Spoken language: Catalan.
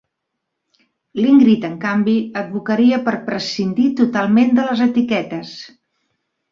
L'Ingrid, en canvi, advocaria per prescindir totalment de les etiquetes.